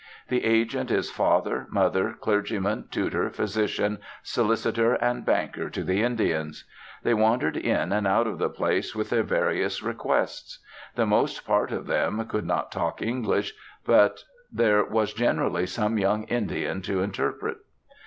The agent is father, mother, clergyman, tutor, physician, solicitor, and banker to the Indians. They wandered in and out of the place with their various requests. The most part of them could not talk English, but there was generally some young Indian to interpret.